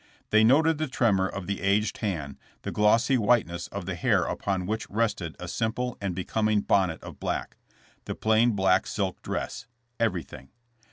They noted the tremor of the aged hand, the glossy whiteness of the hair upon which rested a simple and becoming bonnet of black; the plain black silk dress— everything.